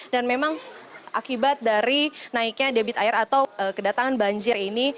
dan memang akibat dari naiknya debit air atau kedatangan banjir ini